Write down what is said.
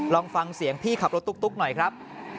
ลองฟังเสียงพี่ขับรถตุ๊กหน่อยครับ